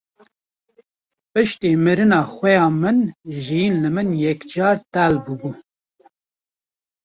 Piştî mirina xweha min jiyîn li min yekcar tehil bû bû.